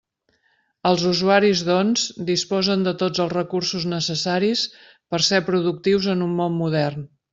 Els usuaris, doncs, disposen de tots els recursos necessaris per ser productius en un món modern.